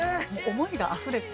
思いがあふれて。